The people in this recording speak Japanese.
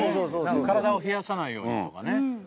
体を冷やさないようにとかね。